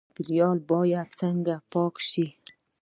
چاپیریال باید څنګه پاک شي؟